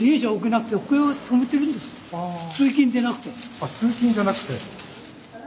あっ通勤じゃなくて。